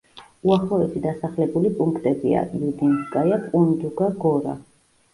უახლოესი დასახლებული პუნქტებია: იუდინსკაია, პუნდუგა, გორა.